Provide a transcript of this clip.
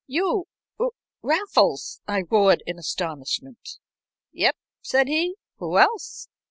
"You Raffles?" I roared in astonishment. "Yep," said he. "Who else?"